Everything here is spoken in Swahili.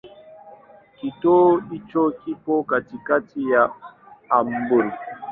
Kituo hicho kipo katikati ya Hamburg.